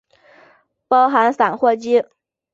包含散货机。